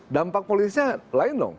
dampak politisnya lain dong